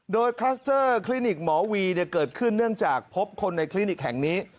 โดยคลัสเตอร์คลินิกหมอวีเกิดขึ้นเนื่องจากพบคนในคลินิกแห่งนี้